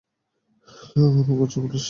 কেনো খুঁজছে পুলিশ তোমায়?